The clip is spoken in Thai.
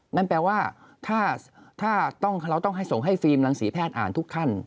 นั่นแปลว่าถ้าเราต้องให้ส่งให้ฟิล์มรังศรีแพทย์อ่านทุกขั้น